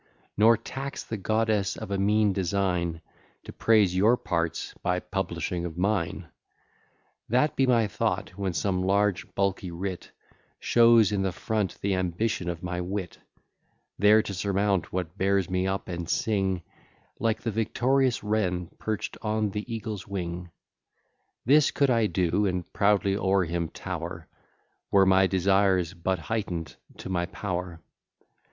Nor tax the goddess of a mean design To praise your parts by publishing of mine; That be my thought when some large bulky writ Shows in the front the ambition of my wit; There to surmount what bears me up, and sing Like the victorious wren perch'd on the eagle's wing. This could I do, and proudly o'er him tower, Were my desires but heighten'd to my power.